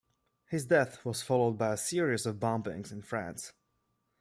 His death was followed by a series of bombings in France.